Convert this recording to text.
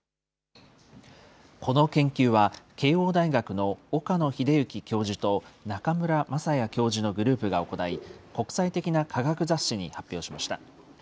この研究は、慶応大学の岡野栄之教授と、中村雅也教授のグループが行い、国際的な科学雑誌に発表しました。